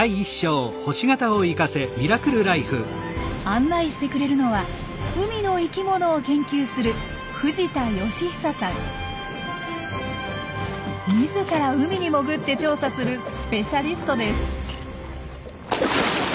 案内してくれるのは海の生きものを研究する自ら海に潜って調査するスペシャリストです。